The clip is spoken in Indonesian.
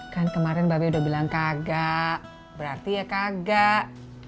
kan kemarin mbak bei udah bilang kagak berarti ya kagak